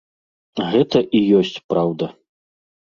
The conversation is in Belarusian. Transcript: Гэта і ёсць праўда.